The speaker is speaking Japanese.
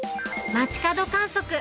街角観測。